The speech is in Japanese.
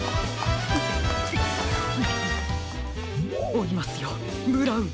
おいますよブラウン！